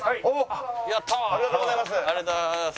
ありがとうございます。